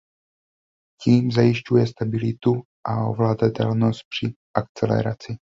Tím zajišťuje stabilitu a ovladatelnost při akceleraci.